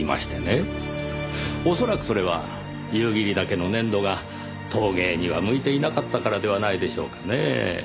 恐らくそれは夕霧岳の粘土が陶芸には向いていなかったからではないでしょうかねぇ。